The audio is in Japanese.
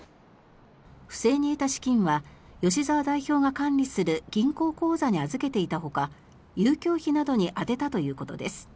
不正に得た資金は吉澤代表が管理する銀行口座に預けていたほか遊興費などに充てたということです。